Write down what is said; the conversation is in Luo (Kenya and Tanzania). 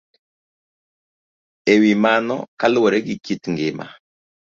E wi mano, kaluwore gi kit ngima